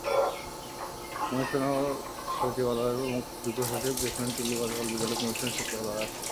Commission সচিবালয়ের যুগ্ম সচিব জেসমিন টুলী গতকাল বিকেলে কমিশন সচিবালয়ে আসেন।